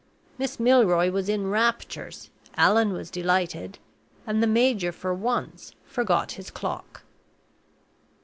Miss Milroy was in raptures; Allan was delighted; and the major for once forgot his clock.